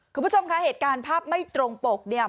คุณผู้ชมคะเหตุการณ์ภาพไม่ตรงปกเนี่ย